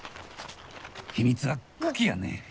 秘密は茎やね！